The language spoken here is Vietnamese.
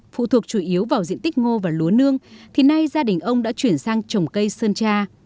phụ thuộc chủ yếu vào diện tích ngô và lúa nương thì nay gia đình ông đã chuyển sang trồng cây sơn tra